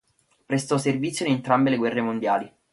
Prestò servizio in entrambe le guerre mondiali.